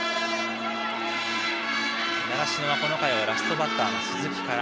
習志野はこの回はラストバッターの鈴木から。